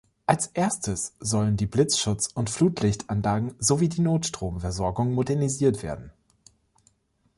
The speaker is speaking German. Als erstes sollen die Blitzschutz- und Flutlichtanlage sowie die Notstromversorgung modernisiert werden.